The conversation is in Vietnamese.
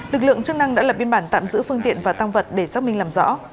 lực lượng chức năng đã lập biên bản tạm giữ phương tiện và tăng vật để xác minh làm rõ